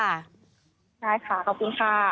ใช่ค่ะขอบคุณค่ะ